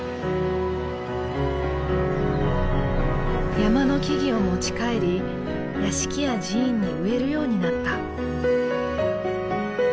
山の木々を持ち帰り屋敷や寺院に植えるようになった。